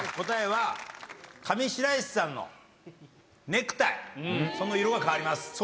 答えは上白石さんのネクタイその色が変わります。